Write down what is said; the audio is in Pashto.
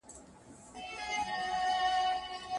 ړوند ښوونکي په ګڼ ځای کي اوږده کیسه کړې وه.